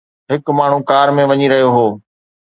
هڪ ماڻهو ڪار ۾ وڃي رهيو هو